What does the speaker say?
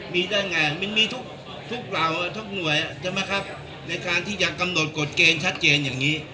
มีได้ไงมันมีทุกเหล่าทุกหน่วยใช่ไหมครับในการที่จะกำหนดกฎเกณฑ์ชัดเจนอย่างนี้